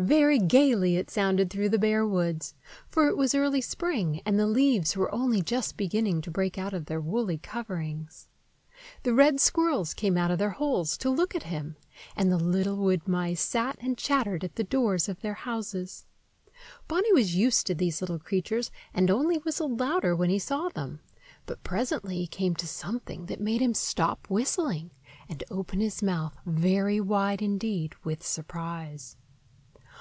Very gayly it sounded through the bare woods, for it was early spring, and the leaves were only just beginning to break out of their woolly coverings. The red squirrels came out of their holes to look at him, and the little wood mice sat and chattered at the doors of their houses. Bonny was used to these little creatures, and only whistled louder when he saw them; but presently he came to something that made him stop whistling and open his mouth very wide indeed with surprise.